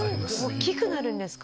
大きくなるんですか。